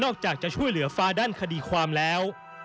ออกจากจะช่วยเหลือฟ้าด้านคดีความแล้ว